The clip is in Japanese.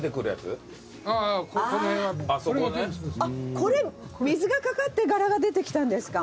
これ水が掛かって柄が出てきたんですか。